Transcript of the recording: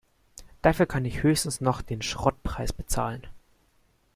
Dafür kann ich höchstens noch den Schrottpreis bezahlen.